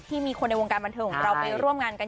มีคนในวงการบันเทิงของเราไปร่วมงานกัน